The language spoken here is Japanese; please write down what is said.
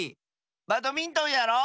バドミントンやろう！